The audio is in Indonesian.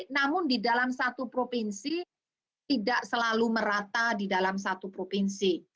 namun di dalam satu provinsi tidak selalu merata di dalam satu provinsi